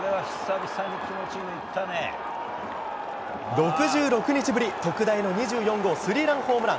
６６日ぶり、特大の２４号スリーランホームラン。